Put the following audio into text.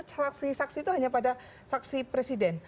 saksi saksi itu hanya pada saksi presiden